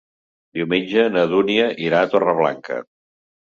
Diumenge na Dúnia irà a Torreblanca.